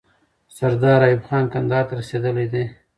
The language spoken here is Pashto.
سردار ایوب خان کندهار ته رسیدلی دی.